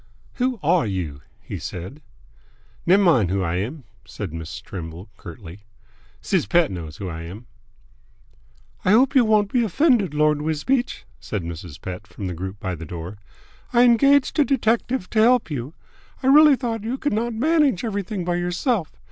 "Who are you?" he said. "Nev' min' who I am!" said Miss Trimble curtly. "Siz Pett knows who I am." "I hope you won't be offended, Lord Wisbeach," said Mrs. Pett from the group by the door. "I engaged a detective to help you. I really thought you could not manage everything by yourself.